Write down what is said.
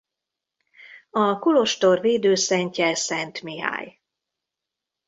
A kolostor védőszentje Szent Mihály.